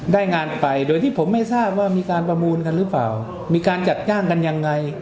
ได้งานไปโดยที่ผมไม่ทราบว่ามีการประมูลกันหรือเปล่ามีการจัดจ้างกันยังไง